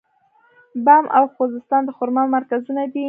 بم او خوزستان د خرما مرکزونه دي.